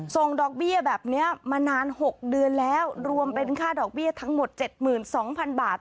ส่งดอกเบี้ยแบบเนี้ยมานานหกเดือนแล้วรวมเป็นค่าดอกเบี้ยทั้งหมดเจ็ดหมื่นสองพันบาท